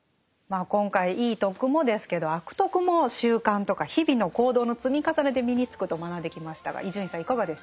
今回いい「徳」もですけど「悪徳」も習慣とか日々の行動の積み重ねで身につくと学んできましたが伊集院さんいかがでしたか？